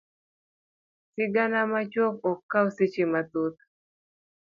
Sigana machuok ok kaw seche mathoth.